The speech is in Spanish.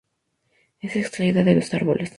Es extraída de los árboles.